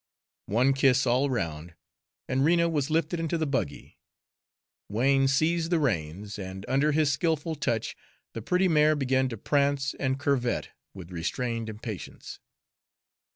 One kiss all round, and Rena was lifted into the buggy. Wain seized the reins, and under his skillful touch the pretty mare began to prance and curvet with restrained impatience.